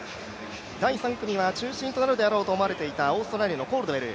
第３組は中心となるであろうと思われていた、オーストラリアのコールドウェル。